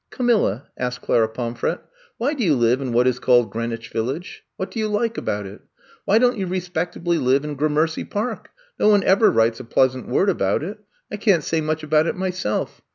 ^^ Camilla," asked Clara Pomfret, *^why do you live in what is called Greenwich Village? What do you like about it? Why don't you respectably live in Gram ercy Park! No one ever writes a pleasant word about it. I can't say much about it myself.